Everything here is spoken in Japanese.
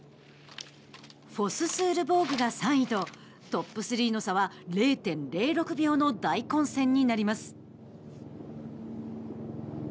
ファススールボーグが３位とトップ３の差は０．０６秒の大混戦になります。